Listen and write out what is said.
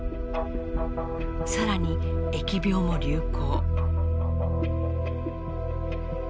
更に疫病も流行。